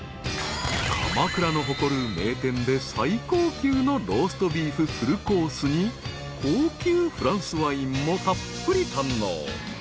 ［鎌倉の誇る名店で最高級のローストビーフフルコースに高級フランスワインもたっぷり堪能］